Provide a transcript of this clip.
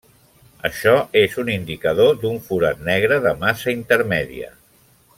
Això, és un indicador d'un forat negre de massa intermèdia.